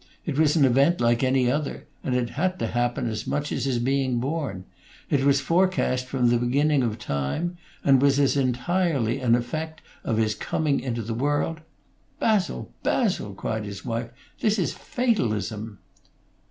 It was an event, like any other, and it had to happen as much as his being born. It was forecast from the beginning of time, and was as entirely an effect of his coming into the world " "Basil! Basil!" cried his wife. "This is fatalism!"